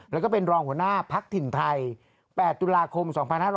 แล้วก็เป็นรองหัวหน้าพักถิ่นไทย๘ตุลาคม๒๕๕๙